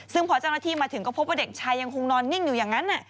ซึ่งพอเจ้าหน้าที่มาถึงก็พบว่าเด็กชายยังคงนอนนิ่งอยู่อย่างนั้น